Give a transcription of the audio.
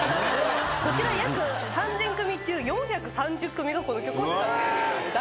こちら約３，０００組中４３０組がこの曲を使っているという大人気曲です。